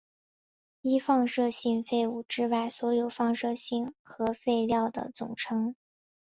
低放射性废物之外所有放射性核废料的总称。